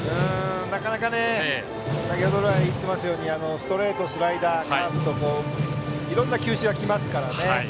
なかなかね、先程来言ってますようにストレート、スライダー、カーブいろいろな球種が来ますからね。